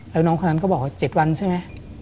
แล้วน้องคนนั้นก็บอกว่า๗วันใช่ไหม